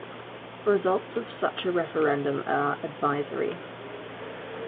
Results of such a referendum are advisory.